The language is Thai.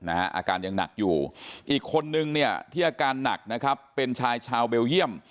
อาการยังหนักอยู่อีกคนนึงเนี่ยที่อาการหนักนะครับเป็นชายชาวเบลเยี่ยม